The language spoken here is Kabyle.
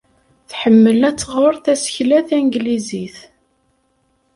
Tḥemmel ad tɣer tasekla tanglizit.